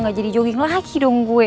gak jadi jogging lagi dong gue